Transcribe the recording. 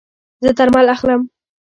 زه درمل اخلم